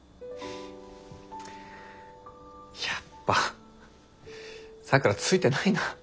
やっぱ咲良ついてないな。